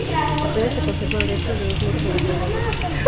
Apenas se conservan restos de los muros de la fortaleza.